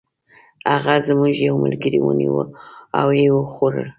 هغه زموږ یو ملګری ونیوه او و یې خوړ.